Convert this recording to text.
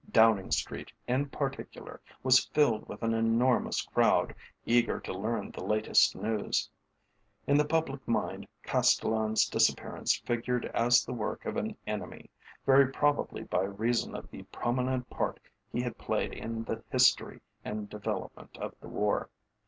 Downing Street, in particular, was filled with an enormous crowd, eager to learn the latest news. In the public mind Castellan's disappearance figured as the work of an enemy, very probably by reason of the prominent part he had played in the history and development of the war.